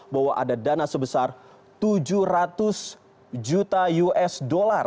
bahwa ada dana sebesar tujuh ratus juta usd